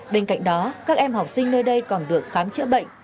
bên cạnh đó các em học sinh nơi đây còn được khám chữa bệnh